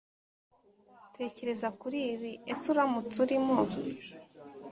tekereza kuri ibi ese uramutse urimo